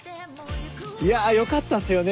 いやよかったっすよね